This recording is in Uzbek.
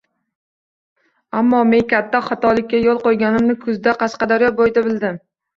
Ammo men katta xatolikka yo’l qo’ganimni kuzda, Qashqadaryo bo’yida bildim.